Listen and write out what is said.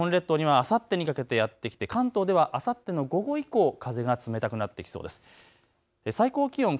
日本列島にはあさってにかけてやってきて関東ではあさっての午後以降、風が冷たくなってきそうです。